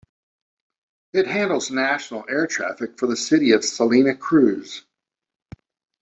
It handles national air traffic for the city of Salina Cruz.